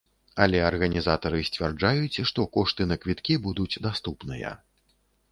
Але арганізатары сцвярджаюць, што кошты на квіткі будуць даступныя.